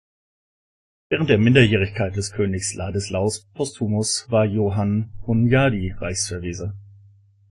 Während der Minderjährigkeit des Königs Ladislaus Postumus war Johann Hunyadi Reichsverweser.